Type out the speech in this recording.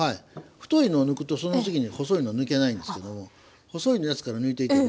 太いのを抜くとその次に細いのは抜けないんですけども細いのやつから抜いていけば。